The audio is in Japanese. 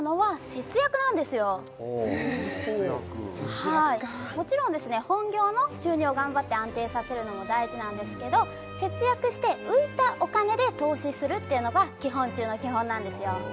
節約かもちろんですね本業の収入を頑張って安定させるのも大事なんですけど節約して浮いたお金で投資するっていうのが基本中の基本なんですよ